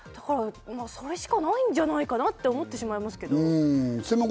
それしかないんじゃないかなと思ってしまいますけど。